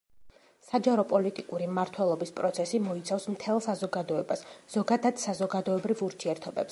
საჯარო-პოლიტიკური მმართველობის პროცესი მოიცავს მთელ საზოგადოებას, ზოგადად საზოგადოებრივ ურთიერთობებს.